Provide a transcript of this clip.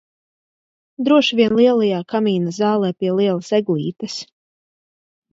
Droši vien lielajā kamīna zālē pie lielas eglītes.